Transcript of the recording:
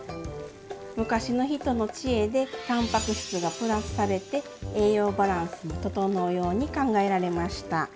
昔の人の知恵でたんばく質がプラスされて栄養バランスも調うように考えられました。